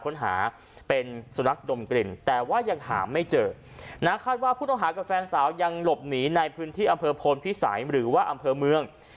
นาคารว่าผู้ต้องหากับแฟนสาวยังหลบหนีในพื้นที่อำเภอพลพิสัยหรือว่าอำเภอเมือง